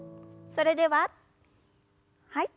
それでははい。